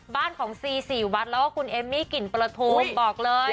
บ้านของซีสี่วัดแล้วก็คุณเอมมี่กลิ่นประทูบอกเลย